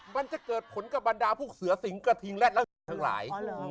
มันจะเกิดผลกับบรรดาพวกเสือสิงห์กระทิงและร่างหลาย